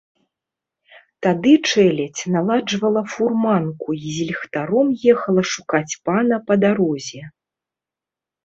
Тады чэлядзь наладжвала фурманку і з ліхтаром ехала шукаць пана па дарозе.